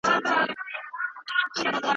که مور او پلار وي نو روزنه نه پاتې کیږي.